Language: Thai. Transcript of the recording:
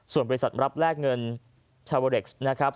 ส่วนบริษัทรับแลกเงินชาวเวอเร็กซ์นะครับ